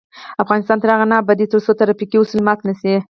افغانستان تر هغو نه ابادیږي، ترڅو ترافیکي اصول مات نشي.